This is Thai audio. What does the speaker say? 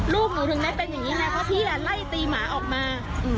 ลูกหนูถึงได้เป็นอย่างนี้ไงเพราะพี่ไล่ตีหมาออกมา